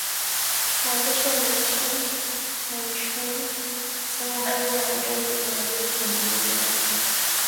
Mwandishi anayeishi uhamishoni asema uhuru wa habari umezidi kudidimia Zimbabwe